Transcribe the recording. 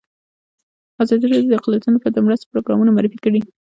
ازادي راډیو د اقلیتونه لپاره د مرستو پروګرامونه معرفي کړي.